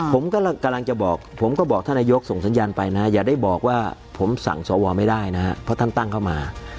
ผมกำลังจะบอกท่านรัฐบาลส่งสัญญาณไปอย่าได้บอกว่าผมสั่งสอวรไม่ได้เพราะท่านตั้งเข้ามา